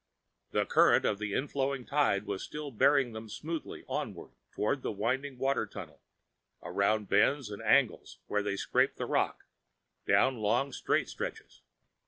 The current of the inflowing tide was still bearing them smoothly onward through the winding water tunnel, around bends and angles where they scraped the rock, down long straight stretches.